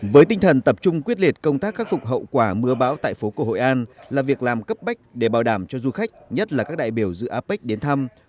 với tinh thần tập trung quyết liệt công tác khắc phục hậu quả mưa bão tại phố cổ hội an là việc làm cấp bách để bảo đảm cho du khách nhất là các đại biểu dự apec đến thăm